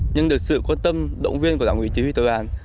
nhưng được sự quan tâm động viên của đảng quỷ chỉ huy tội đoàn